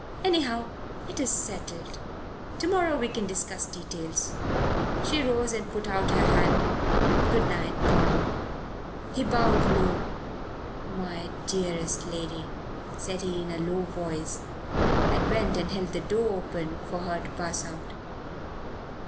"Anyhow, it's settled. Tomorrow we can discuss details." She rose and put out her hand. "Good night, Paul." He bowed low. "My dearest lady," said he in a low voice, and went and held the door open for her to pass out.